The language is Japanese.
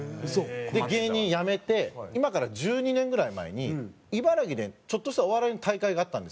で芸人やめて今から１２年ぐらい前に茨城でちょっとしたお笑いの大会があったんですよ。